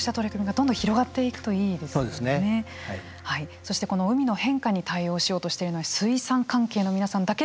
はいそしてこの海の変化に対応しようとしてるのは水産関係の皆さんだけではありません。